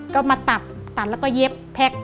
ก็มาตับตัดแล้วก็เย็บแพ็ค